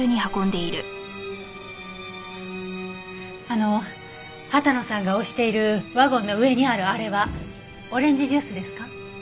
あの羽田野さんが押しているワゴンの上にあるあれはオレンジジュースですか？